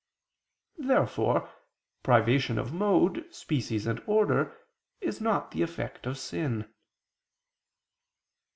Therefore privation of mode, species and order is not the effect of sin.